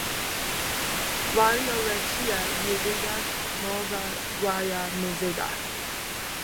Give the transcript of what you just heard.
Waw'elola chia ye reda mumbi ghwaw'o mzinyi.